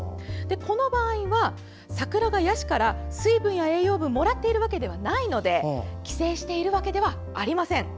この場合は、桜がヤシから水分や栄養分をもらっているわけではないので寄生しているわけではありません。